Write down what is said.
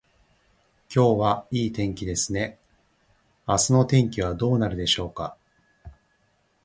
今日はいい天気ですね。明日の天気はどうなるでしょうか。